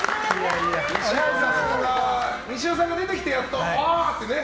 西尾さんが出てきてやっと、あーってね。